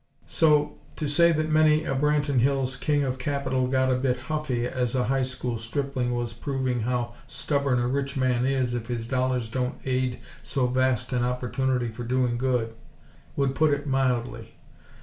So, to say that many a Branton Hills "King of Capital" got a bit huffy as a High School stripling was proving how stubborn a rich man is if his dollars don't aid so vast an opportunity for doing good, would put it mildly!